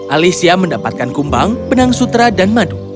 alicia mendapatkan kumbang benang sutra dan madu